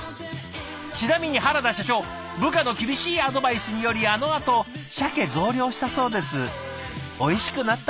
ちなみに原田社長部下の厳しいアドバイスによりあのあとシャケ増量したそうです。